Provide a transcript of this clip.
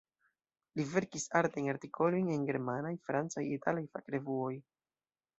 Li verkis artajn artikolojn en germanaj, francaj, italaj fakrevuoj.